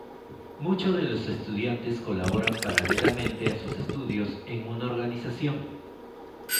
Muchos de los estudiantes colaboran paralelamente a sus estudios en una organización.